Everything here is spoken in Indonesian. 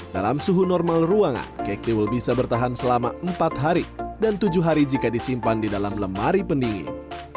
dalam suhu normal ruangan kek tiwul bisa bertahan selama empat hari dan tujuh hari jika disimpan di dalam lemari pendingin